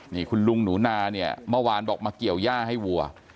นี่คุณลุงหนูนาเนี่ยเมื่อวานบอกมาเกี่ยวย่าให้วัว